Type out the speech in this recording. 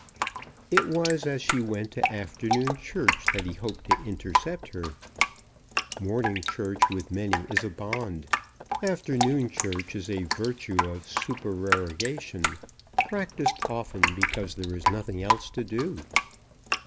It was as she went to afternoon church that he hoped to intercept her. Morning church with many is a bond. Afternoon church is a virtue of supererogation, practised often because there is nothing else to do.